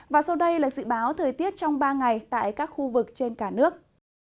và sau đây là dự báo thời tiết trong ba ngày tại các khu vực trên cả nước